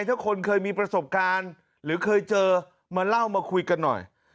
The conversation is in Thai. ถ้าคนเคยมีประสบการณ์หรือเคยเจอมาเล่ามาคุยกันหน่อย